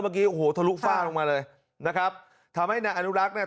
เมื่อกี้โอ้โหทะลุฝ้าลงมาเลยนะครับทำให้นายอนุรักษ์เนี่ย